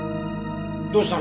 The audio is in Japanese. どうしたの？